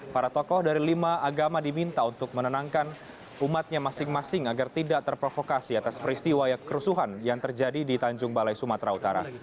para tokoh dari lima agama diminta untuk menenangkan umatnya masing masing agar tidak terprovokasi atas peristiwa kerusuhan yang terjadi di tanjung balai sumatera utara